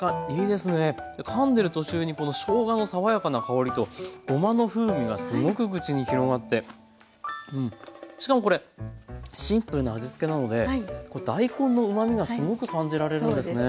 でかんでる途中にこのしょうがの爽やかな香りとごまの風味がすごく口に広がってしかもこれシンプルな味付けなので大根のうまみがすごく感じられるんですね。